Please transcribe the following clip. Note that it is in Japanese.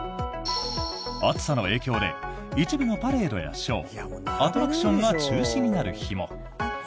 暑さの影響で一部のパレードやショーアトラクションが中止になる日も。